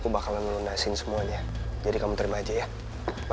biar aku bawa